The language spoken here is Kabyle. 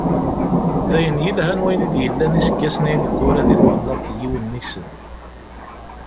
D ayen yelhan wayen i d-yellan iseggasen-a ineggura di temnaḍt n Yiwennisen.